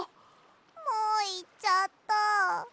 もういっちゃった。